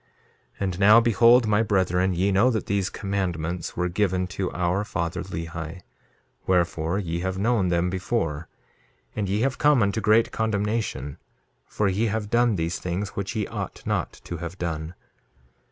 2:34 And now behold, my brethren, ye know that these commandments were given to our father, Lehi; wherefore, ye have known them before; and ye have come unto great condemnation; for ye have done these things which ye ought not to have done.